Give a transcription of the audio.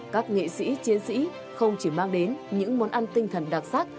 các nghệ sĩ chiến sĩ không chỉ mang đến những món ăn tinh thần đặc sắc